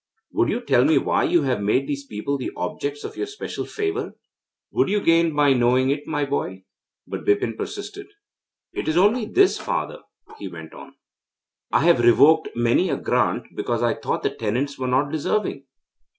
Would you tell me why you have made these people the objects of your special favour?' 'What would you gain by knowing it, my boy?' But Bipin persisted. 'It is only this, father,' he went on; 'I have revoked many a grant because I thought the tenants were not deserving.